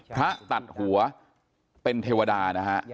พระตัดหัวเป็นเทวดานะฮะ